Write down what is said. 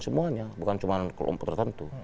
semuanya bukan cuma kelompok tertentu